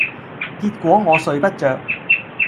結果我睡不著